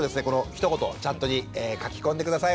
ひと言チャットに書き込んで下さい。